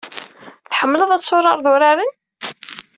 Tḥemmleḍ ad turareḍ uraren?